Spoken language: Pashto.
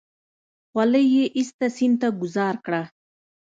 خولۍ يې ايسته سيند ته گوزار کړه.